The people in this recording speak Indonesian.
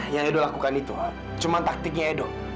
yang edo lakukan itu cuma taktiknya edo